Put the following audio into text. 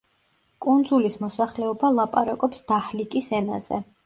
კუნძულის მოსახლეობა ლაპარაკობს დაჰლიკის ენაზე.